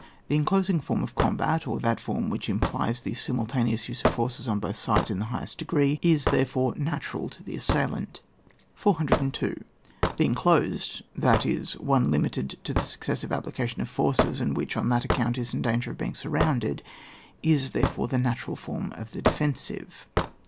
The enclosing focm of combat, or that form which implies the simul taneous use of forces on both sides in the highest degree, is, therefore, natural to the assailant. 402. The enclosed, that is, one limited to the successive application of forces, and which, on that account, is in danger of being surrounded, is, therefore, the natural form of the defensive.